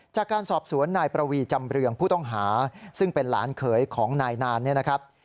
จากการสอบสวนนายประวีจำเรืองผู้ต้องหาซึ่งเป็นหลานเขยของนายนานเนี่ยนะครับ